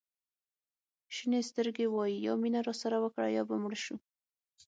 شینې سترګې وایي یا مینه راسره وکړه یا به مړه شو.